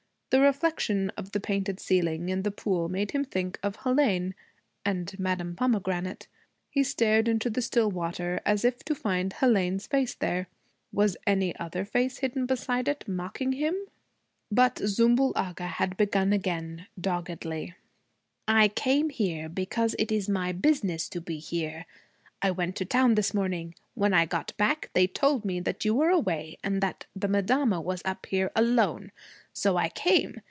The reflection of the painted ceiling in the pool made him think of Hélène and Madame Pomegranate. He stared into the still water as if to find Hélène's face there. Was any other face hidden beside it, mocking him? But Zümbül Agha had begun again, doggedly: 'I came here because it is my business to be here. I went to town this morning. When I got back they told me that you were away and that the madama was up here, alone. So I came.